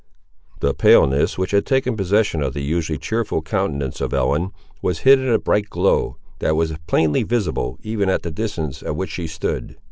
The paleness, which had taken possession of the usually cheerful countenance of Ellen, was hid in a bright glow, that was plainly visible even at the distance at which she stood.